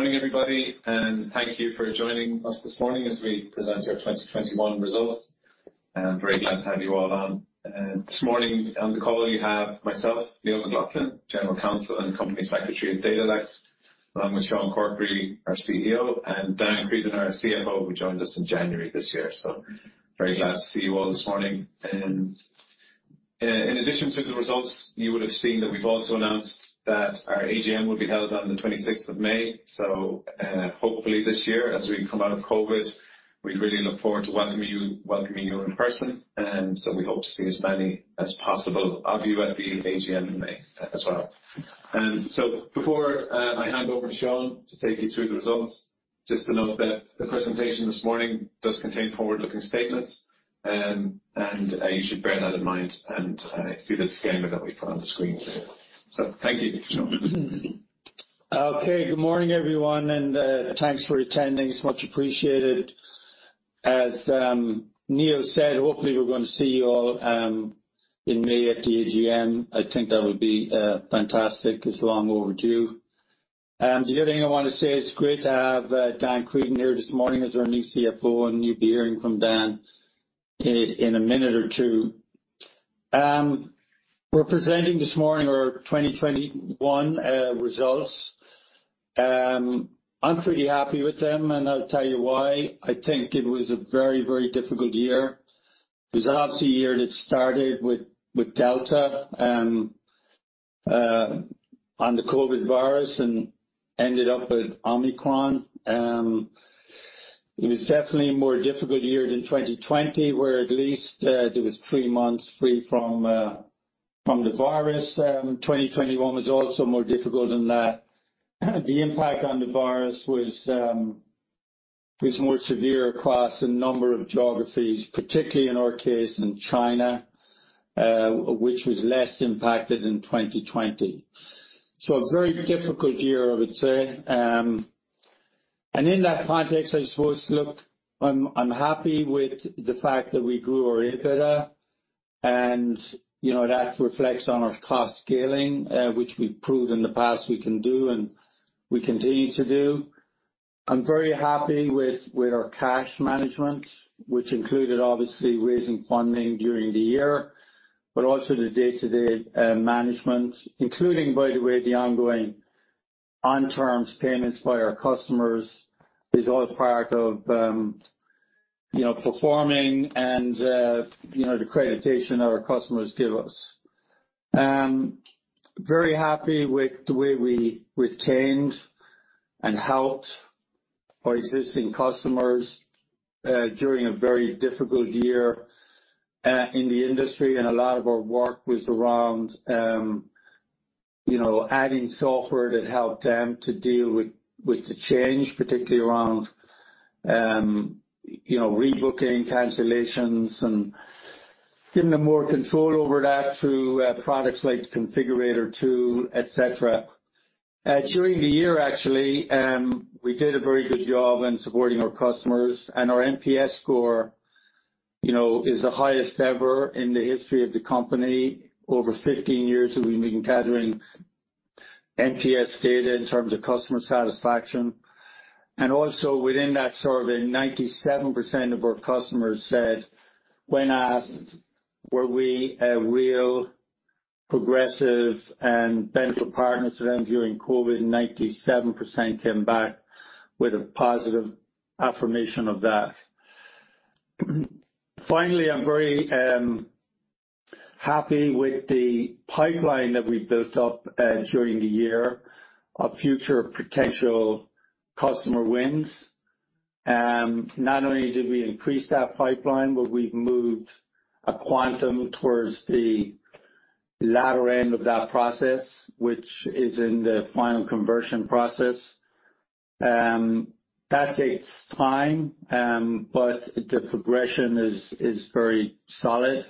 Morning, everybody, and thank you for joining us this morning as we present our 2021 results. Very glad to have you all on. This morning on the call you have myself, Neil McLoughlin, General Counsel and Company Secretary at Datalex, along with Sean Corkery, our CEO, and Dan Creedon, our CFO, who joined us in January this year. Very glad to see you all this morning. In addition to the results, you would have seen that we've also announced that our AGM will be held on the 26th of May. Hopefully this year as we come out of COVID, we really look forward to welcoming you in person, and we hope to see as many as possible of you at the AGM in May as well. Before I hand over to Sean to take you through the results, just to note that the presentation this morning does contain forward-looking statements, and you should bear that in mind and see the disclaimer that we put on the screen. Thank you. Sean. Okay. Good morning, everyone, and thanks for attending. It's much appreciated. As Neil said, hopefully we're gonna see you all in May at the AGM. I think that would be fantastic. It's long overdue. The other thing I wanna say, it's great to have Dan Creedon here this morning as our new CFO, and you'll be hearing from Dan in a minute or two. We're presenting this morning our 2021 results. I'm pretty happy with them, and I'll tell you why. I think it was a very, very difficult year. It was obviously a year that started with Delta on the COVID virus and ended up with Omicron. It was definitely a more difficult year than 2020, where at least there was three months free from the virus. 2021 was also more difficult than that. The impact on the virus was more severe across a number of geographies, particularly in our case in China, which was less impacted in 2020. A very difficult year, I would say. In that context, I suppose, look, I'm happy with the fact that we grew our EBITDA and, you know, that reflects on our cost scaling, which we've proved in the past we can do and we continue to do. I'm very happy with our cash management, which included obviously raising funding during the year, but also the day-to-day management, including, by the way, the ongoing on-terms payments by our customers is all part of, you know, performing and, you know, the accreditation our customers give us. Very happy with the way we retained and helped our existing customers during a very difficult year in the industry and a lot of our work was around you know adding software that helped them to deal with the change particularly around you know rebooking cancellations and giving them more control over that through products like Digital Configurator, et cetera. During the year actually we did a very good job in supporting our customers and our NPS score you know is the highest ever in the history of the company over 15 years that we've been gathering NPS data in terms of customer satisfaction. Also within that survey, 97% of our customers said when asked, were we a real progressive and beneficial partners to them during COVID, 97% came back with a positive affirmation of that. Finally, I'm very happy with the pipeline that we built up during the year of future potential customer wins. Not only did we increase that pipeline, but we've moved a quantum towards the latter end of that process, which is in the final conversion process. That takes time, but the progression is very solid.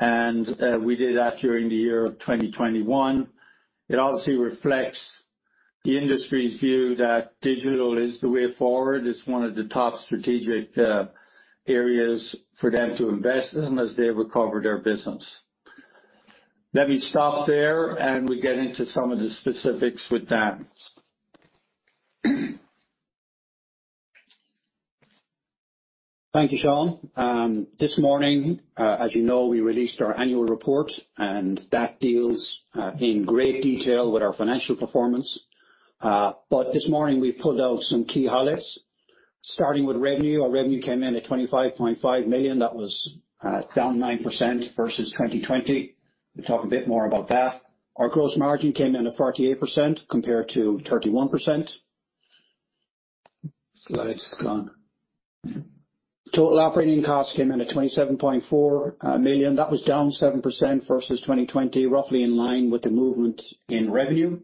We did that during the year of 2021. It obviously reflects the industry's view that digital is the way forward. It's one of the top strategic areas for them to invest in as they recover their business. Let me stop there and we get into some of the specifics with that. Thank you, Sean. This morning, as you know, we released our annual report, and that deals in great detail with our financial performance. This morning we pulled out some key highlights. Starting with revenue. Our revenue came in at 25.5 million. That was down 9% versus 2020. We'll talk a bit more about that. Our gross margin came in at 48% compared to 31%. Slide's gone. Total operating costs came in at 27.4 million. That was down 7% versus 2020, roughly in line with the movement in revenue.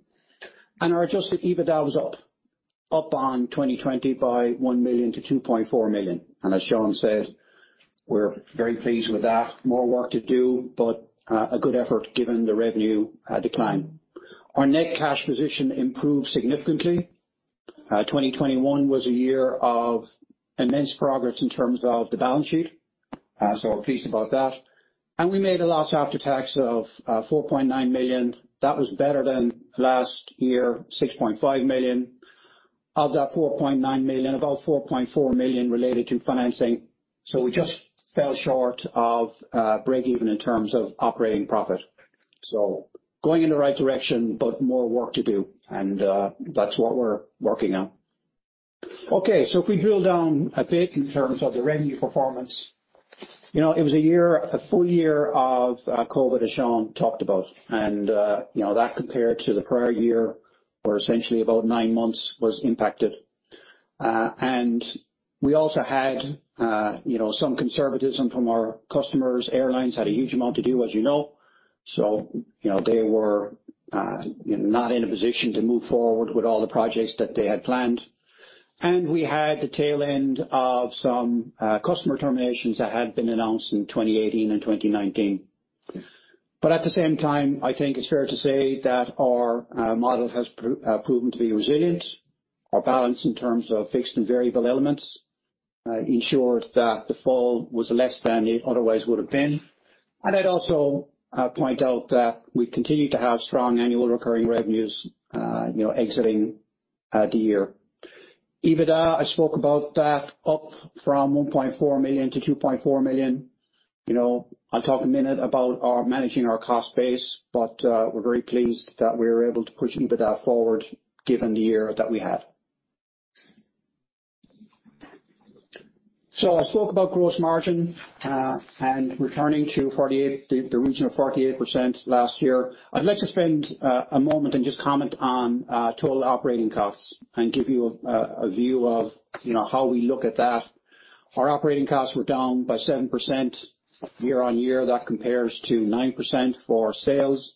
Our adjusted EBITDA was up on 2020 by 1 million to 2.4 million. As Sean said, we're very pleased with that. More work to do, but a good effort given the revenue decline. Our net cash position improved significantly. 2021 was a year of immense progress in terms of the balance sheet. We're pleased about that. We made a loss after tax of 4.9 million. That was better than last year, 6.5 million. Of that 4.9 million, about 4.4 million related to financing. We just fell short of break even in terms of operating profit. Going in the right direction, but more work to do and that's what we're working on. Okay, if we drill down a bit in terms of the revenue performance, you know, it was a year, a full year of COVID, as Sean talked about. You know, that compared to the prior year where essentially about 9 months was impacted. We also had, you know, some conservatism from our customers. Airlines had a huge amount to do, as you know. You know, they were not in a position to move forward with all the projects that they had planned. We had the tail end of some customer terminations that had been announced in 2018 and 2019. At the same time, I think it's fair to say that our model has proven to be resilient. Our balance in terms of fixed and variable elements ensured that the fall was less than it otherwise would have been. I'd also point out that we continue to have strong annual recurring revenues, you know, exiting the year. EBITDA, I spoke about that up from 1.4 million-2.4 million. You know, I'll talk a minute about our managing our cost base, but, we're very pleased that we were able to push EBITDA forward given the year that we had. I spoke about gross margin, and returning to 48, the regional 48% last year. I'd like to spend a moment and just comment on total operating costs and give you a view of, you know, how we look at that. Our operating costs were down by 7% year-on-year. That compares to 9% for sales.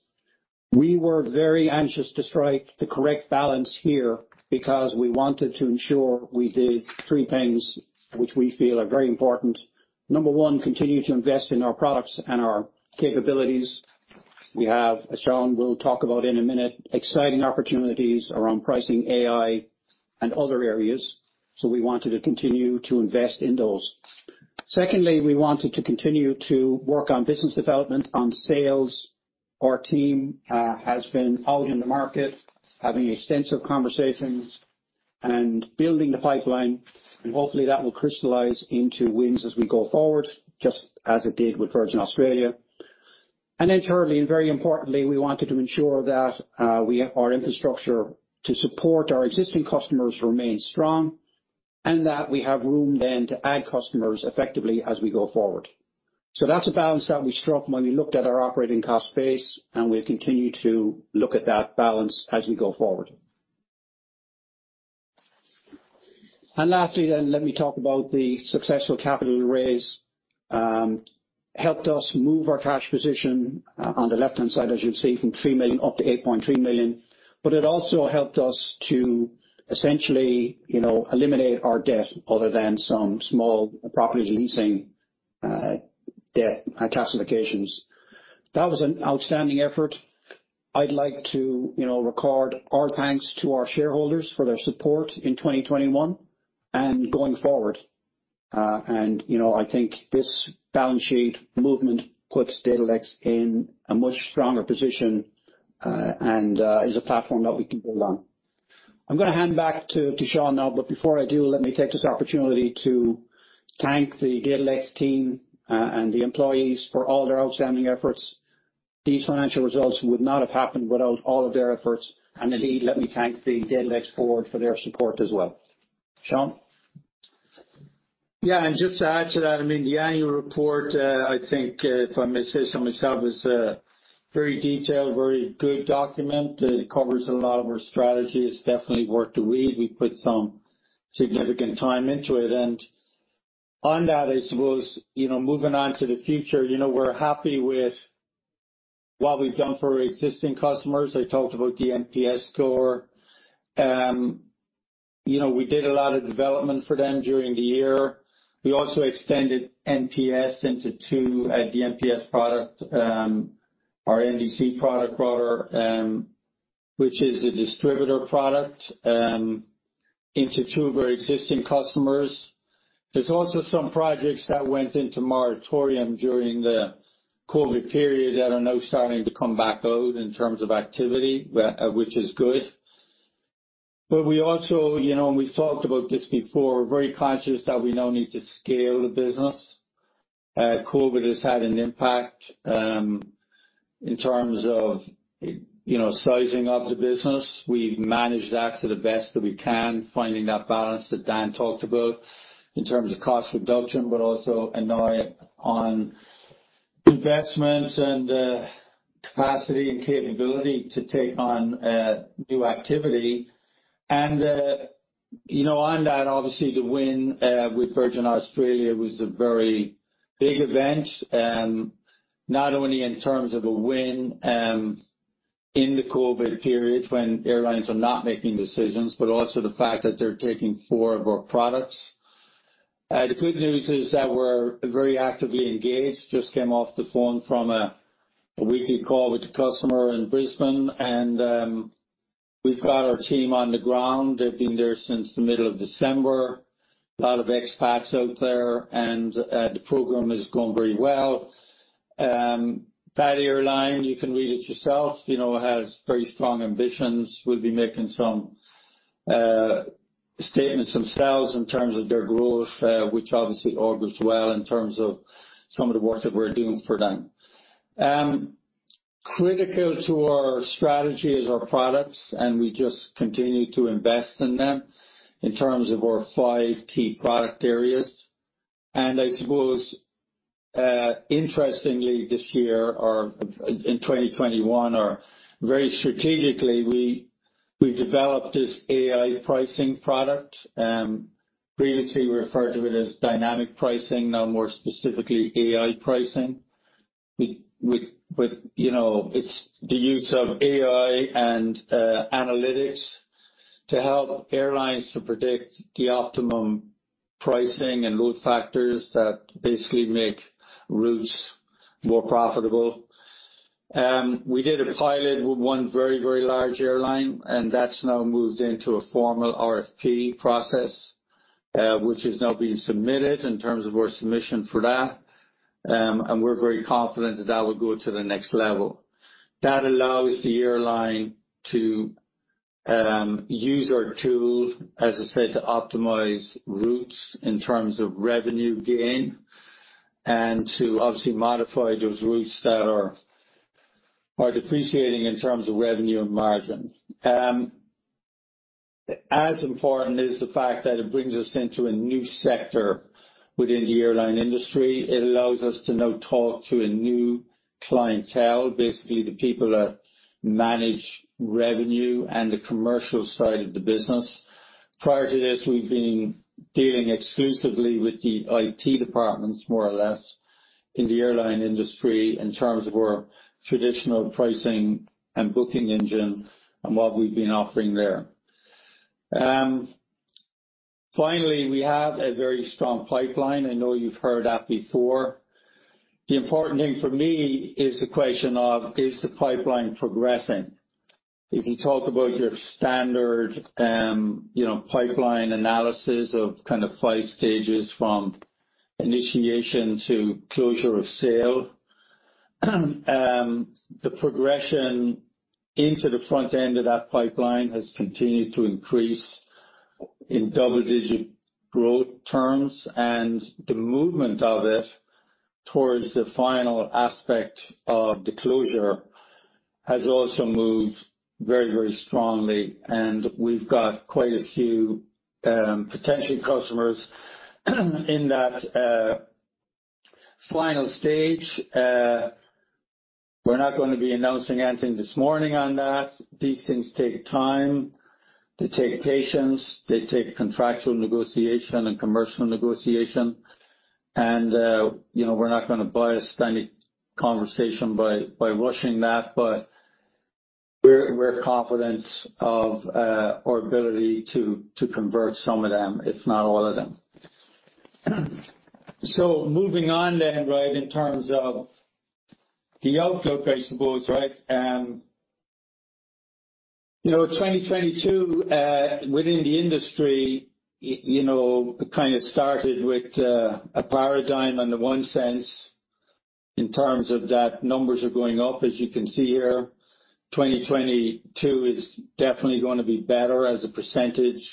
We were very anxious to strike the correct balance here because we wanted to ensure we did 3 things which we feel are very important. Number 1, continue to invest in our products and our capabilities. We have, as Sean will talk about in a minute, exciting opportunities around pricing AI, and other areas. We wanted to continue to invest in those. Secondly, we wanted to continue to work on business development, on sales. Our team has been out in the market having extensive conversations and building the pipeline, and hopefully that will crystallize into wins as we go forward, just as it did with Virgin Australia. Then thirdly, and very importantly, we wanted to ensure that we, our infrastructure to support our existing customers remains strong and that we have room then to add customers effectively as we go forward. That's a balance that we struck when we looked at our operating cost base, and we'll continue to look at that balance as we go forward. Lastly then, let me talk about the successful capital raise, helped us move our cash position on the left-hand side, as you'll see, from 3 million up to 8.3 million. It also helped us to essentially, you know, eliminate our debt other than some small property leasing debt classifications. That was an outstanding effort. I'd like to, you know, record our thanks to our shareholders for their support in 2021 and going forward. I think this balance sheet movement puts Datalex in a much stronger position, and is a platform that we can build on. I'm gonna hand back to Sean now, but before I do, let me take this opportunity to thank the Datalex team, and the employees for all their outstanding efforts. These financial results would not have happened without all of their efforts. Indeed, let me thank the Datalex board for their support as well. Sean. Yeah. Just to add to that, I mean, the annual report, I think, if I may say so myself, is a very detailed, very good document. It covers a lot of our strategy. It's definitely worth the read. We put some significant time into it. On that, I suppose, you know, moving on to the future, you know, we're happy with what we've done for our existing customers. I talked about the NPS score. You know, we did a lot of development for them during the year. We also extended our NDC product, which is a distributor product, into two of our existing customers. There's also some projects that went into moratorium during the COVID period that are now starting to come back out in terms of activity, which is good. We also, you know, and we've talked about this before, very conscious that we now need to scale the business. COVID has had an impact, in terms of, you know, sizing of the business. We've managed that to the best that we can, finding that balance that Dan talked about in terms of cost reduction, but also an eye on investment and, capacity and capability to take on, new activity. You know, on that, obviously the win, with Virgin Australia was a very big event, not only in terms of a win, in the COVID period when airlines are not making decisions, but also the fact that they're taking four of our products. The good news is that we're very actively engaged. Just came off the phone from a weekly call with the customer in Brisbane. We've got our team on the ground. They've been there since the middle of December. A lot of expats out there, and the program is going very well. That airline, you can read it yourself, you know, has very strong ambitions. Will be making some statements themselves in terms of their growth, which obviously augurs well in terms of some of the work that we're doing for them. Critical to our strategy is our products, and we just continue to invest in them in terms of our five key product areas. I suppose, interestingly, this year or in 2021, very strategically, we developed this AI pricing product. Previously, we referred to it as dynamic pricing, now more specifically AI pricing. With, you know, it's the use of AI and analytics to help airlines to predict the optimum pricing and load factors that basically make routes more profitable. We did a pilot with one very, very large airline, and that's now moved into a formal RFP process, which is now being submitted in terms of our submission for that. We're very confident that that will go to the next level. That allows the airline to use our tool, as I said, to optimize routes in terms of revenue gain and to obviously modify those routes that are depreciating in terms of revenue and margin. As important is the fact that it brings us into a new sector within the airline industry. It allows us to now talk to a new clientele, basically the people that manage revenue and the commercial side of the business. Prior to this, we've been dealing exclusively with the IT departments, more or less, in the airline industry in terms of our traditional pricing and booking engine and what we've been offering there. Finally, we have a very strong pipeline. I know you've heard that before. The important thing for me is the question of, is the pipeline progressing? If you talk about your standard, you know, pipeline analysis of kind of five stages from initiation to closure of sale, the progression into the front end of that pipeline has continued to increase in double-digit growth terms, and the movement of it towards the final aspect of the closure has also moved very, very strongly. We've got quite a few potential customers in that final stage. We're not gonna be announcing anything this morning on that. These things take time. They take patience. They take contractual negotiation and commercial negotiation. You know, we're not gonna bias any conversation by rushing that, but we're confident of our ability to convert some of them, if not all of them. Moving on then, right, in terms of the outlook, I suppose, right? You know, 2022 within the industry, you know, kind of started with a paradigm on the one sense in terms of that numbers are going up, as you can see here. 2022 is definitely gonna be better as a percentage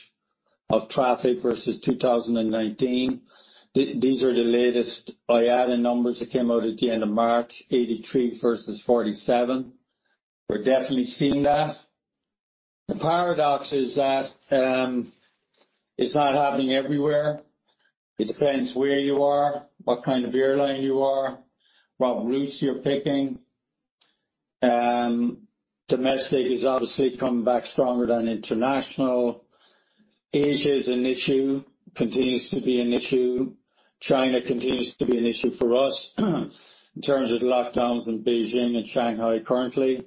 of traffic versus 2019. These are the latest IATA numbers that came out at the end of March, 83 versus 47. We're definitely seeing that. The paradox is that, it's not happening everywhere. It depends where you are, what kind of airline you are, what routes you're picking. Domestic is obviously coming back stronger than international. Asia is an issue, continues to be an issue. China continues to be an issue for us in terms of lockdowns in Beijing and Shanghai currently,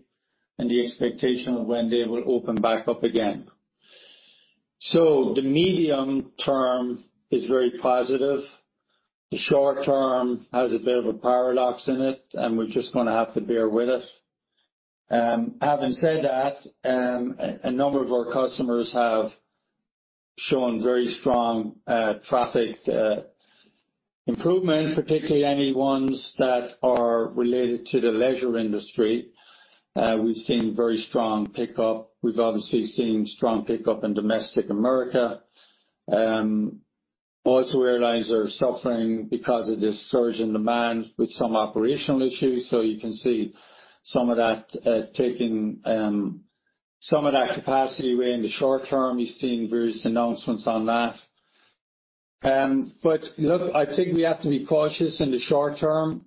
and the expectation of when they will open back up again. The medium term is very positive. The short term has a bit of a paradox in it, and we're just gonna have to bear with it. Having said that, a number of our customers have shown very strong traffic improvement, particularly any ones that are related to the leisure industry. We've seen very strong pickup. We've obviously seen strong pickup in domestic America. Also, airlines are suffering because of this surge in demand with some operational issues. You can see some of that taking some of that capacity away in the short term. You've seen various announcements on that. Look, I think we have to be cautious in the short term.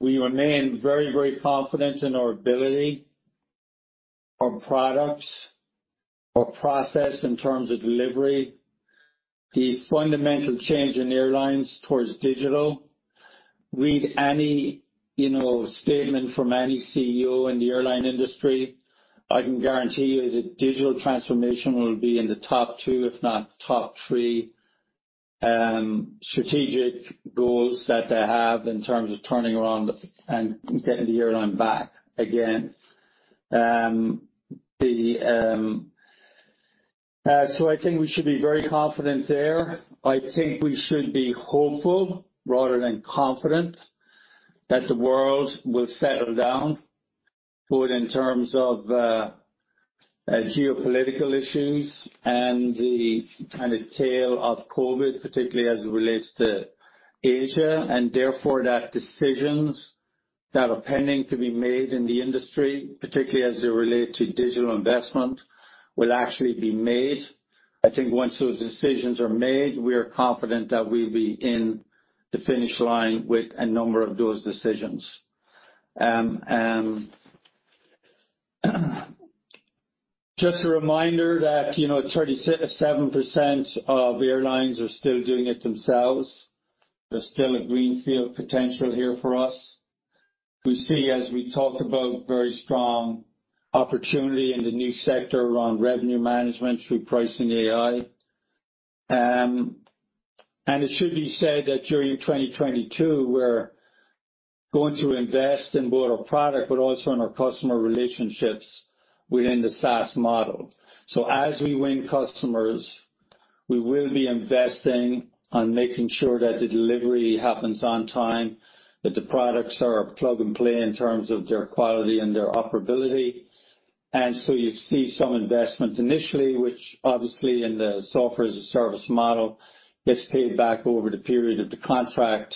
We remain very, very confident in our ability, our products, our process in terms of delivery. The fundamental change in airlines towards digital. Read any, you know, statement from any CEO in the airline industry. I can guarantee you the digital transformation will be in the top two, if not top three. Strategic goals that they have in terms of turning around and getting the airline back again. I think we should be very confident there. I think we should be hopeful rather than confident that the world will settle down both in terms of, geopolitical issues and the kind of tail of COVID, particularly as it relates to Asia. Therefore, those decisions that are pending to be made in the industry, particularly as they relate to digital investment, will actually be made. I think once those decisions are made, we are confident that we'll be in the finish line with a number of those decisions. Just a reminder that, you know, 37% of airlines are still doing it themselves. There's still a greenfield potential here for us. We see, as we talked about, very strong opportunity in the new sector around revenue management through pricing AI. It should be said that during 2022, we're going to invest in both our product but also in our customer relationships within the SaaS model. As we win customers, we will be investing on making sure that the delivery happens on time, that the products are plug-and-play in terms of their quality and their operability. You see some investment initially, which obviously in the software-as-a-service model gets paid back over the period of the contract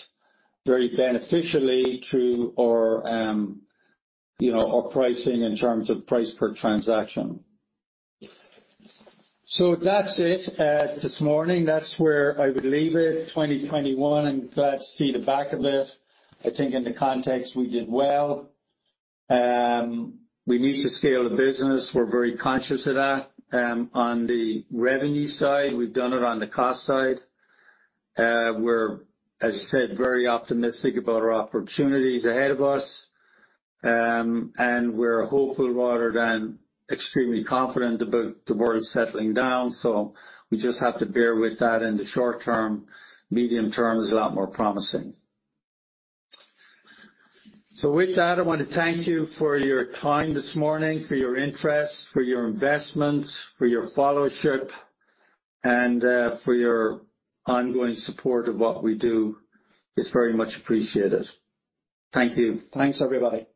very beneficially through our, you know, our pricing in terms of price per transaction. That's it, this morning. That's where I would leave it. 2021, I'm glad to see the back of it. I think in the context we did well. We need to scale the business. We're very conscious of that, on the revenue side. We've done it on the cost side. We're, as I said, very optimistic about our opportunities ahead of us. We're hopeful rather than extremely confident about the world settling down. We just have to bear with that in the short term. Medium term is a lot more promising. With that, I want to thank you for your time this morning, for your interest, for your investment, for your followership, for your ongoing support of what we do. It's very much appreciated. Thank you. Thanks, everybody.